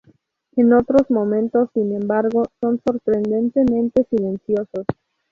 En otros momentos, sin embargo, son sorprendentemente silenciosos.